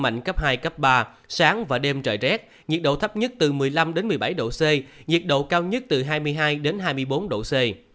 nhiệt độ thấp nhất từ một mươi năm một mươi bảy độ c nhiệt độ cao nhất từ hai mươi hai hai mươi bốn độ c